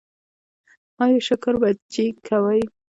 ایا شکر به چیک کوئ؟